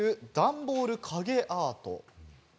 ダンボール影アート。